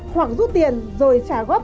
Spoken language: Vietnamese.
hoặc rút tiền rồi trả góp